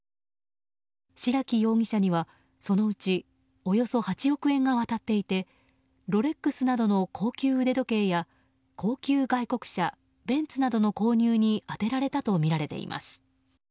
白木容疑者には、そのうちおよそ８億円が渡っていてロレックスなどの高級腕時計や高級外国車ベンツなどの購入に充てられたとみられています。